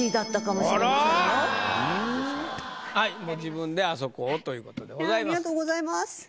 もう自分であそこをということでございます。